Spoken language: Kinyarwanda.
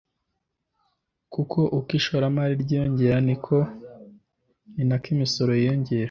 kuko uko ishoramari ryiyongera ni nako imisoro yiyongera